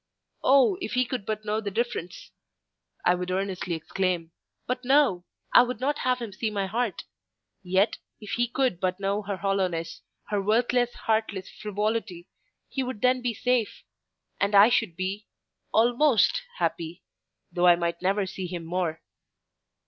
"Oh, if he could but know the difference!" I would earnestly exclaim. "But no! I would not have him see my heart: yet, if he could but know her hollowness, her worthless, heartless frivolity, he would then be safe, and I should be—almost happy, though I might never see him more!"